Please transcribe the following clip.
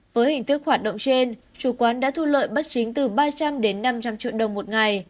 với hình thức hoạt động trên chủ quán đã thu lợi bất chính từ ba trăm linh đến năm trăm linh triệu đồng một ngày